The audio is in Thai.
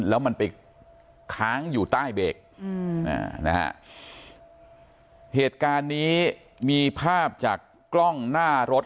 แล้วมันไปค้างอยู่ใต้เบรกอืมอ่านะฮะเหตุการณ์นี้มีภาพจากกล้องหน้ารถ